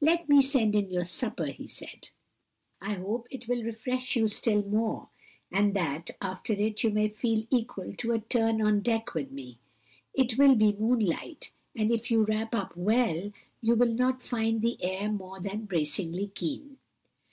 "Let me send in your supper," he said. "I hope it will refresh you still more, and that after it you may feel equal to a turn on deck with me. It will be moonlight, and if you wrap up well you will not find the air more than bracingly keen."